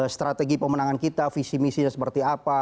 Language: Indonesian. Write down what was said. strategi pemenangan kita visi misinya seperti apa